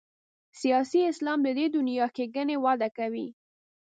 سیاسي اسلام د دې دنیا ښېګڼې وعدې کوي.